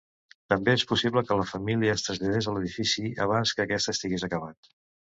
També és possible que la família es traslladés a l'edifici abans que aquest estigués acabat.